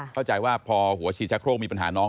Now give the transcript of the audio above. เข้าใจว่าพอหัวฉีดชะโครกมีปัญหาน้อง